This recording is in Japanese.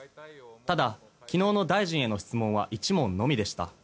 ただ、昨日の大臣への質問は１問のみでした。